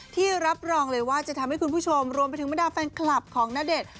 ที่รับรองเลยว่าจะทำให้คุณผู้ชมรวมไปถึงบรรดาแฟนคลับของณเดชน์